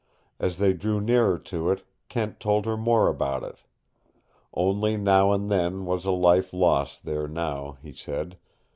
As they drew nearer to it, Kent told her more about it. Only now and then was a life lost there now, he said.